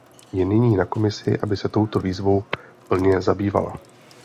Je nyní na Komisi, aby se touto výzvou plně zabývala.